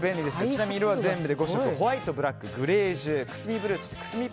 ちなみに色は全部で５色ホワイト、ブラック、グレージュくすみ